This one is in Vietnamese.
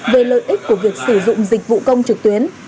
về lợi ích của việc sử dụng dịch vụ công trực tuyến